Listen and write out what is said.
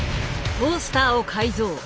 トースターを改造。